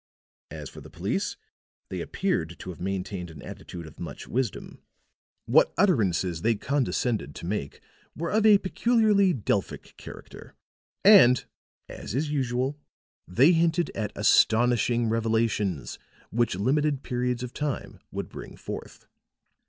As for the police, they appeared to have maintained an attitude of much wisdom. What utterances they condescended to make were of a peculiarly Delphic character; and, as is usual, they hinted at astonishing revelations which limited periods of time would bring forth.